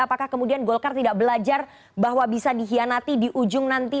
apakah kemudian golkar tidak belajar bahwa bisa dihianati di ujung nanti